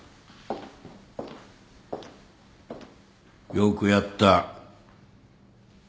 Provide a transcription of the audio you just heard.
よくやった。